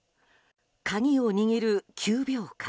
鍵を握る９秒間。